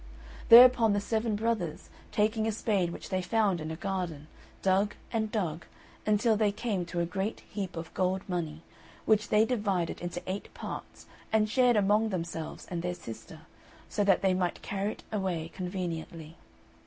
Thereupon the seven brothers, taking a spade which they found in a garden, dug and dug, until they came to a great heap of gold money, which they divided into eight parts and shared among themselves and their sister, so that they might carry it away conveniently.